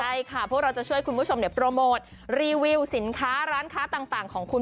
ใช่ค่ะพวกเราจะช่วยคุณผู้ชมโปรโมทรีวิวสินค้าร้านค้าต่างของคุณ